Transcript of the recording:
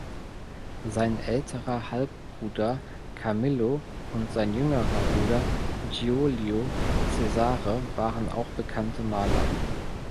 Sein älterer Halbbruder Camillo und sein jüngerer Bruder Giulio Cesare waren auch bekannte Maler.